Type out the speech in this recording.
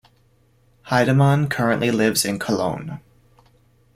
Heidemann currently lives in Cologne.